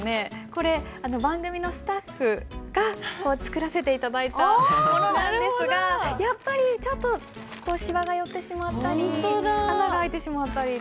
これ番組のスタッフが作らせて頂いたものなんですがやっぱりちょっとしわが寄ってしまったり穴が開いてしまったり。